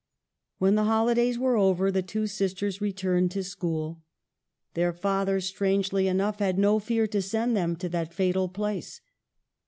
When the holidays were over, the two sisters returned to school. Their father, strangely COWAN'S BRIDGE. 53 enough, had no fear to send them to that fatal place.